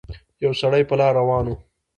يو سړی په لاره روان وو